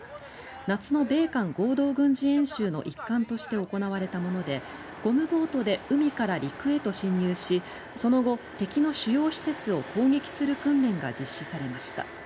夏の米韓合同軍事演習の一環として行われたものでゴムボートで海から陸へと侵入しその後、敵の主要施設を攻撃する訓練が実施されました。